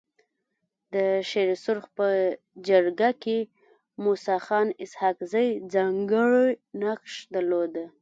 د شيرسرخ په جرګه کي موسي خان اسحق زي ځانګړی نقش درلود.